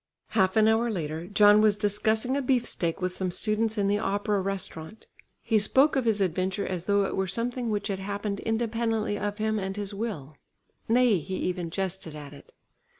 Half an hour later John was discussing a beefsteak with some students in the Opera restaurant. He spoke of his adventure as though it were something which had happened independently of him and his will. Nay, he even jested at it.